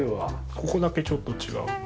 そこだけちょっと違う。